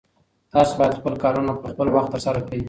تاسو باید خپل کارونه په خپل وخت ترسره کړئ.